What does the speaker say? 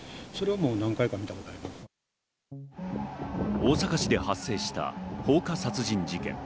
大阪市で発生した放火殺人事件。